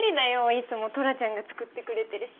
いつもトラちゃんが作ってくれてるし。